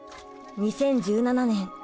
２０１７年